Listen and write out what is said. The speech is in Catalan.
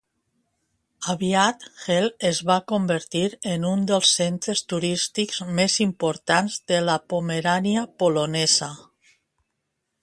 Aviat, Hel es va convertir en un dels centres turístics més importants de la Pomerania polonesa.